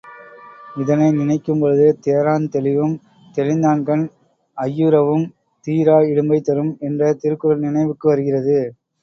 இதனை நினைக்கும் பொழுது தேரான் தெளிவும் தெளிந்தான்கண் ஐயுறவும் தீரா இடும்பை தரும் என்ற திருக்குறள் நினைவுக்கு வருகிறது.